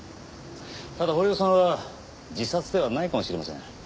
ただ堀尾さんは自殺ではないかもしれません。